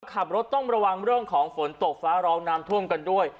ขับรถต้องระวังเรื่องของฝนตกฟ้าร้องน้ำท่วมกันด้วย